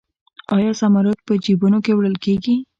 آیا زمرد په جیبونو کې وړل کیږي؟